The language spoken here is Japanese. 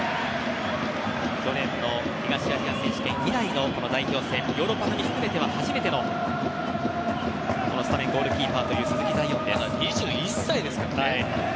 去年の東アジア選手権以来の代表戦ヨーロッパ組含めては初めてのスタメン、ゴールキーパーというまだ２１歳ですからね。